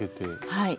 はい。